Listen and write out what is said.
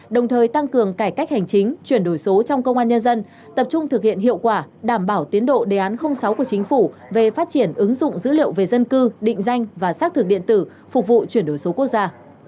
đồng thời tăng cường cải cách hành chính chuyển đổi số trong công an nhân dân tập trung thực hiện hiệu quả đảm bảo tiến độ đề án sáu của chính phủ về phát triển ứng dụng dữ liệu về dân cư định danh và xác thực điện tử phục vụ chuyển đổi số quốc gia